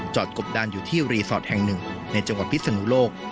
จอดกบด้านอยู่ที่รีสอร์ตแห่ง๑ในจังหวัดพิศนุโลก